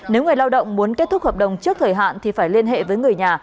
nếu người lao động muốn kết thúc hợp đồng trước thời hạn thì phải liên hệ với người nhà